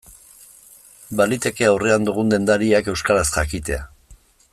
Baliteke aurrean dugun dendariak euskaraz jakitea.